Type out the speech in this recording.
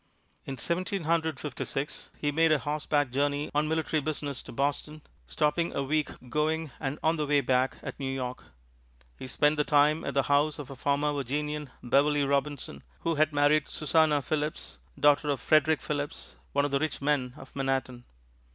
In Seventeen Hundred Fifty six, he made a horseback journey on military business to Boston, stopping a week going and on the way back at New York. He spent the time at the house of a former Virginian, Beverly Robinson, who had married Susannah Philipse, daughter of Frederick Philipse, one of the rich men of Manhattan.